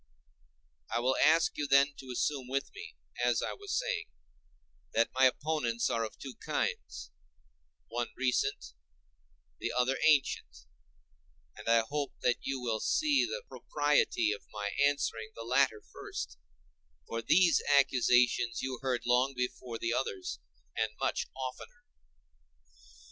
I will ask you then to assume with me, as I was saying, that my opponents are of two kinds—one recent, the other ancient; and I hope that you will see the propriety of my answering the latter first, for these accusations you heard long before the others, and much oftener.